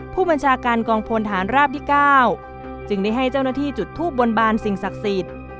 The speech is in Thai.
ผู้บัญชาการกองพลฐานราบที่๙จึงได้ให้เจ้าหน้าที่จุดทูบบนบานสิ่งศักดิ์สิทธิ์